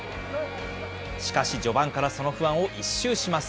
しかし序盤からその不安を一蹴します。